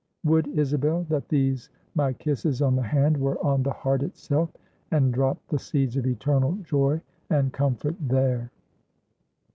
Would, Isabel, that these my kisses on the hand, were on the heart itself, and dropt the seeds of eternal joy and comfort there."